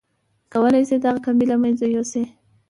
کولای شئ دغه کمی له منځه يوسئ.